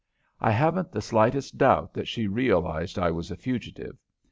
I haven't the slightest doubt that she realized I was a fugitive.